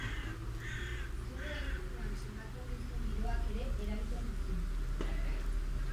Zure inguruan somatzen duzun giroak ere eragiten dizu.